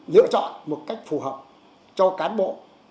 lựa chọn một cách phù hợp cho cán bộ